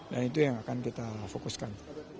dan itu yang akan kita fokuskan